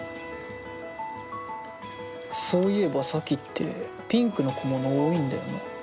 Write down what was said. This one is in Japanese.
そういば咲ってピンクの小物多いんだよな。